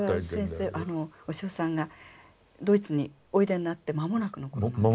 それは先生小塩さんがドイツにおいでになって間もなくのことですか？